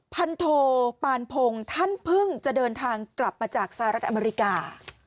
พันโทปานพงศ์ท่านเพิ่งจะเดินทางกลับมาจากสหรัฐอเมริกา